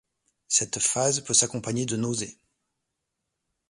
Cette phase peut s'accompagner de nausées.